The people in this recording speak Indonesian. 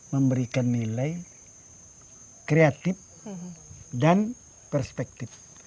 memberikan nilai kreatif dan perspektif